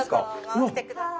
回してください。